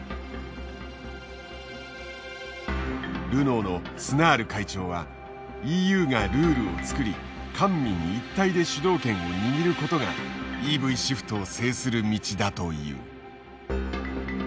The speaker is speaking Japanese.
ルノーのスナール会長はＥＵがルールを作り官民一体で主導権を握ることがＥＶシフトを制する道だと言う。